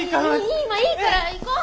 いい今いいから行こう！